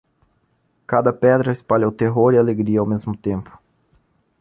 Cada pedra espalhou terror e alegria ao mesmo tempo.